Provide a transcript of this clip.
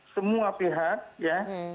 semua pihak ya